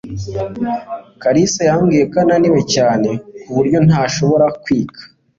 kalisa yambwiye ko ananiwe cyane ku buryo ntashobora kwiga